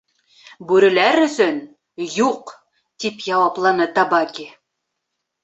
— Бүреләр өсөн — юҡ, — тип яуапланы Табаки.